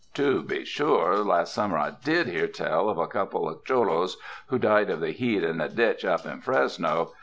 To be sure, last summer I did hear tell of a couple of cholos who died of the heat in a ditch up in Fresno.